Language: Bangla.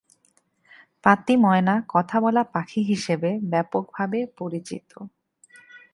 পাতি ময়না কথা বলা পাখি হিসেবে ব্যাপকভাবে পরিচিত।